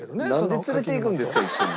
なんで連れて行くんですか一緒に。